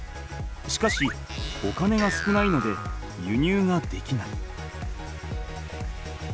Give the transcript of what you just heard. しかしお金が少ないので輸入ができない。